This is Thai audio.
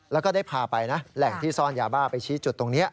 แล้วก็ได้พาไปนะแหล่งที่ซ่อนยาบ้าไปชี้จุดตรงนี้